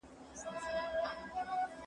سپينکۍ مينځه!.